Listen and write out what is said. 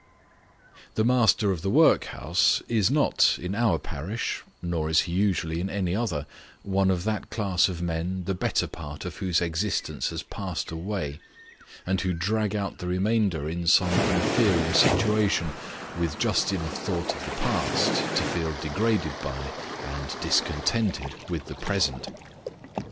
The master of the workhouse is not, in our parish nor is he usually in any other one of that class of men the better part of whose exist ence has passed away, and who drag out the remainder in some inferior 4 Sketches by situation, with just enough thought of the past, to feel degraded by, and discontented with, the present.